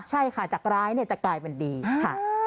ใช่ค่ะจะกลายเป็นดีค่ะ